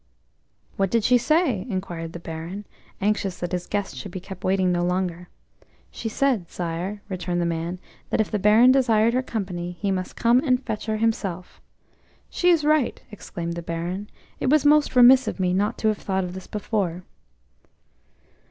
"What did she say?" inquired the Baron, anxious that his guests should be kept waiting no longer. "She said, sire," returned the man, "that if the Baron desired her company, he must come and fetch her himself." "She is right!" exclaimed the Baron. "It was most remiss of me not to have thought of this before."